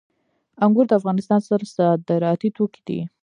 انګور د افغانستان ستر صادراتي توکي دي